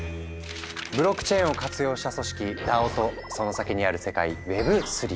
ブロックチェーンを活用した組織「ＤＡＯ」とその先にある世界「Ｗｅｂ３」。